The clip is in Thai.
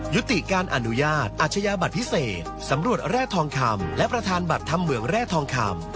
ยุติการอนุญาตอาชญาบัตรพิเศษสำรวจแร่ทองคำและประธานบัตรธรรมเหมืองแร่ทองคำ